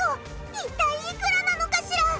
一体いくらなのかしら？